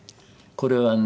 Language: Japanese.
これはね。